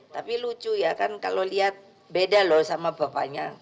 tapi lucu ya kan kalau lihat beda loh sama bapaknya